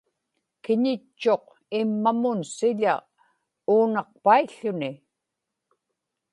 kiñitchuq immamun siḷa uunaqpaił̣ł̣uni